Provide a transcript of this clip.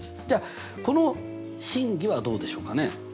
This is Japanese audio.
じゃあこの真偽はどうでしょうかね？